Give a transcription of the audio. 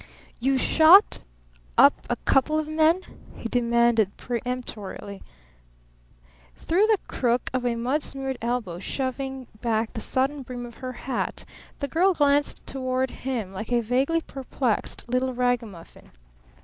"You 'shot up' a couple of men?" he demanded peremptorily. Through the crook of a mud smeared elbow shoving back the sodden brim of her hat, the girl glanced toward him like a vaguely perplexed little ragamuffin.